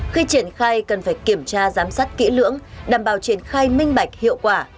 khi triển khai cần phải kiểm tra giám sát kỹ lưỡng đảm bảo triển khai minh bạch hiệu quả